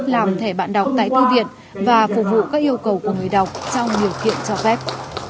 làm thẻ bạn đọc tại thư viện và phục vụ các yêu cầu của người đọc trong điều kiện cho phép